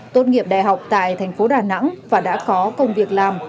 tốt nghiệp đại học tại thành phố đà nẵng và đã có công việc làm